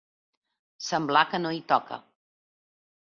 Semblar que no hi toca.